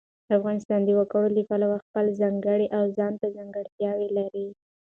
افغانستان د وګړي له پلوه خپله ځانګړې او ځانته ځانګړتیا لري.